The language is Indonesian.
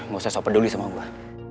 gak usah soper dulu sama gue